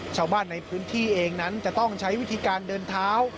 ชาวบ้านในพื้นที่เองนั้นจะต้องใช้วิธีการเดินเท้า